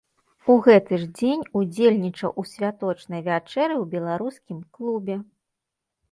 У гэты ж дзень удзельнічаў у святочнай вячэры ў беларускім клубе.